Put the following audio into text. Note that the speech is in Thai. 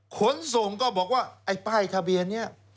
ขนส่งก็บอกว่าไอ้ป้ายทะเบียนนี้